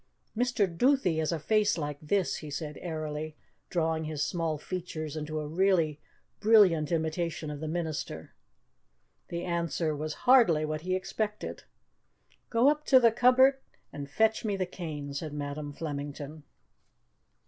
"Mr. Duthie has a face like this," he said airily, drawing his small features into a really brilliant imitation of the minister. The answer was hardly what he expected. "Go up to the cupboard and fetch me the cane," said Madam Flemington.